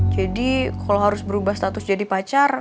jadi kalo harus berubah status jadi pacar